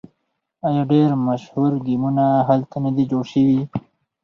آیا ډیر مشهور ګیمونه هلته نه دي جوړ شوي؟